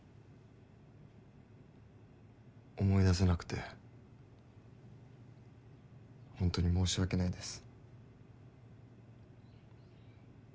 思い出せなくてほんとに申し訳ないです。